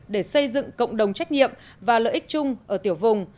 để xây dựng cộng đồng trách nhiệm và lợi ích chung ở tiểu vùng